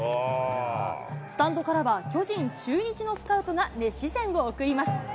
スタンドからは、巨人、中日のスカウトが熱視線を送ります。